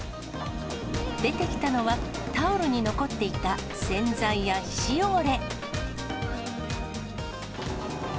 出てきたのは、タオルに残っていた洗剤や皮脂汚れ。